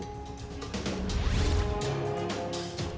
kecamatan artegi neneng pesawaran lampung beberapa waktu yang lalu